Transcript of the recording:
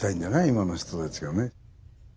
今の人たちがね。